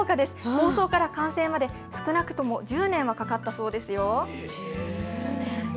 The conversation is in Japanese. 構想から完成まで少なくとも１０年はかかったそうですよ。